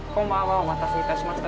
お待たせいたしました。